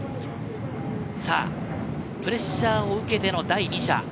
プレッシャーを受けての第２射。